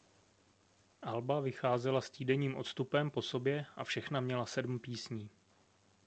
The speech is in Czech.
Alba vycházela s týdenním odstupem po sobě a všechna měla sedm písní.